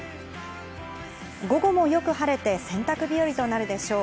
午後もよく晴れて洗濯日和となるでしょう。